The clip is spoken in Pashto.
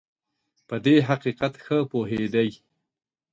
په دې حقیقت ښه پوهېدی.